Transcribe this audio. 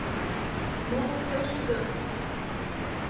Мо ок келше гын?